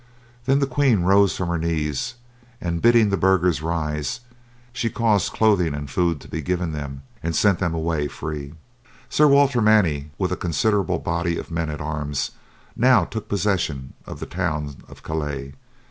Then the queen rose from her knees, and bidding the burghers rise, she caused clothing and food to be given them, and sent them away free. Sir Walter Manny, with a considerable body of men at arms, now took possession of the town of Calais.